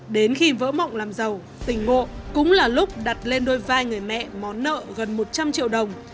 đến khi vỡ mộng làm giàu tình mộ cũng là lúc đặt lên đôi vai người mẹ món nợ gần một trăm linh triệu đồng